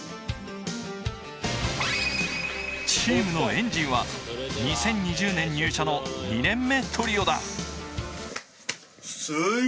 チームのエンジンは２０２０年入社の２年目トリオだ。